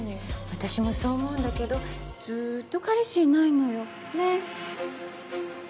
私もそう思うんだけどずっと彼氏いないのよね？